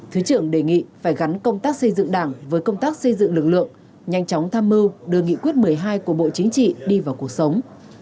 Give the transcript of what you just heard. thứ trưởng đề nghị phải gắn công tác xây dựng đảng với công tác xây dựng lực lượng nhanh chóng tham mưu đưa nghị quyết một mươi hai của bộ chính trị đi vào cuộc sống